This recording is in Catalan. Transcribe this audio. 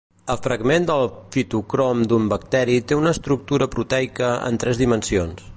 A fragment del fitocrom d'un bacteri té una estructura proteica en tres dimensions.